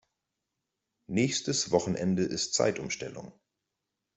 Nächstes Wochenende ist Zeitumstellung.